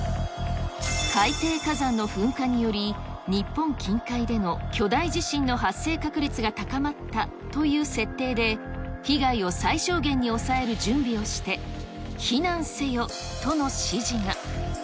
海底火山の噴火により、日本近海での巨大地震の発生確率が高まったという設定で、被害を最小限に抑える準備をして、避難せよとの指示が。